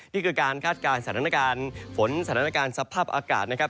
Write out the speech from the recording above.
นี่คือการคาดการณ์สถานการณ์ฝนสถานการณ์สภาพอากาศนะครับ